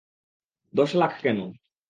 দশ লাখ কেন?